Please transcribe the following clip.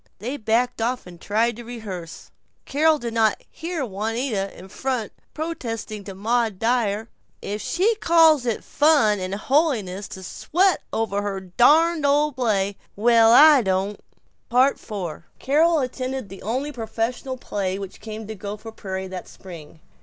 They backed off and tried to rehearse. Carol did not hear Juanita, in front, protesting to Maud Dyer, "If she calls it fun and holiness to sweat over her darned old play well, I don't!" IV Carol attended the only professional play which came to Gopher Prairie that spring.